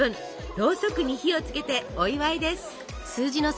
ろうそくに火をつけてお祝いです！